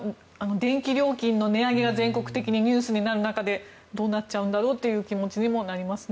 電気料金の値上げが全国的にニュースになる中でどうなっちゃんだろうという気持ちにもなりますよね。